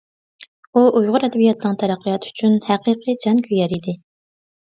ئۇ ئۇيغۇر ئەدەبىياتىنىڭ تەرەققىياتى ئۈچۈن ھەقىقىي جان كۆيەر ئىدى.